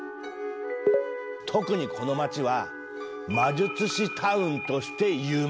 特にこの街は魔術師タウンとして有名。